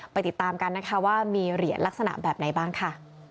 ติดตามกันนะคะว่ามีเหรียญลักษณะแบบไหนบ้างค่ะ